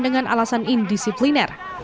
dengan alasan indisipliner